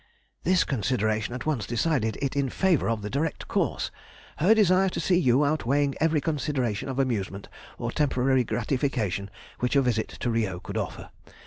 —this consideration at once decided it in favour of the direct course, her desire to see you outweighing every consideration of amusement or temporary gratification which a visit to Rio could offer.